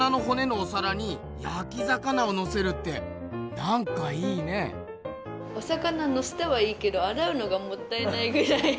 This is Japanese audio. お魚のせたはいいけどあらうのがもったいないぐらい。